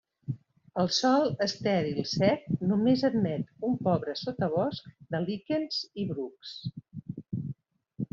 El sòl estèril sec només admet un pobre sotabosc de líquens i brucs.